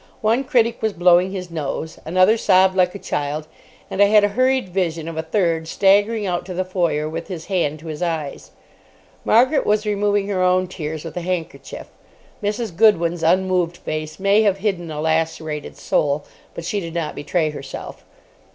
One critic was blowing his nose, another sobbed like a child, and I had a hurried vision of a third staggering out to the foyer with his hand to his eyes. Margaret was removing her own tears with a handkerchief. Mrs. Goodwin's unmoved face may have hidden a lacerated soul, but she did not betray herself.